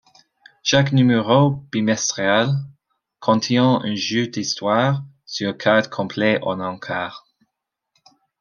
Chaque n° bimestriel contient un jeu d'histoire sur carte complet en encart.